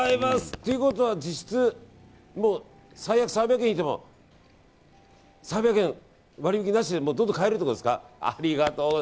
ということは実質、最悪３００円引いても割引なしで買えるってことですか。